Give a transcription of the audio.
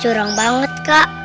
cukup curang banget kak